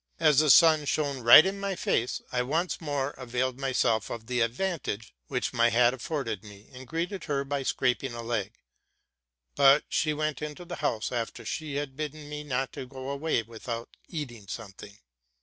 As the sun was shining right in my face, I once more availed myself of the advantage my hat afforded me, and greeted her by scraping a leg ; but she went into the house after she had bidden me not to g@o away without eating something.